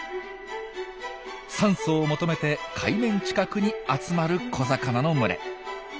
酸素を求めて海面近くに集まる小魚の群れ。